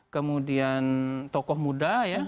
kemudian tokoh muda ya